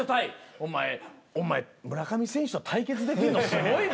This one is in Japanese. お前村上選手と対決できるのすごいな。